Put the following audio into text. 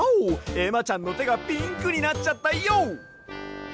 えまちゃんのてがピンクになっちゃったＹＯ！